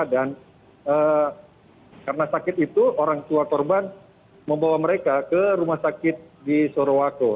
dan karena sakit itu orang tua korban membawa mereka ke rumah sakit di sorowako